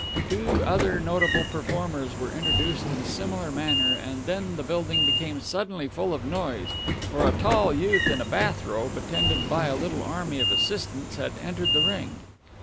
Two other notable performers were introduced in a similar manner, and then the building became suddenly full of noise, for a tall youth in a bath robe, attended by a little army of assistants, had entered the ring.